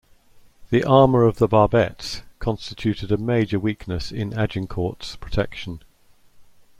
The armour of the barbettes constituted a major weakness in "Agincourt"s protection.